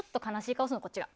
こっちが。